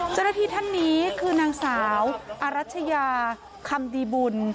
เจ้าหน้าที่ท่านนี้คือนางสาวอรัชยาคำดีบุญ